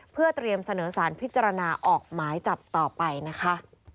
เพื่อเตรียมเสนอสารพิจารณาออกหมายจับต่อไปนะคะ